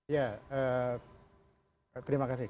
ya terima kasih